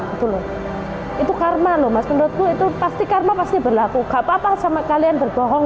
itu loh itu karma loh mas menurutku itu pasti karma pasti berlaku gak apa apa sama kalian berbohong